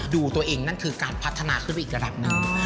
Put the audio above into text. ดูตัวเองนั่นคือการพัฒนาขึ้นไปอีกระดับหนึ่ง